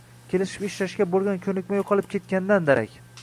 kelishib ishlashga bo‘lgan ko‘nikma yo‘qolib ketganidan darak.